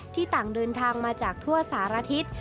ต่างเดินทางมาจากทั่วสารทิศ